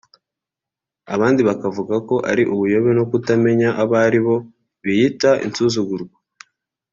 abandi bakavuga ko ari ubuyobe no kutamenya abo baribo biyita insuzugurwa